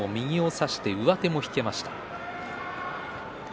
昨日も右を差して上手も引けました。